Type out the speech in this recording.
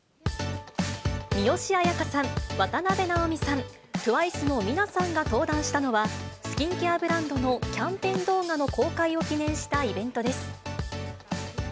三吉彩花さん、渡辺直美さん、ＴＷＩＣＥのミナさんが登壇したのは、スキンケアブランドのキャンペーン動画の公開を記念したイベントです。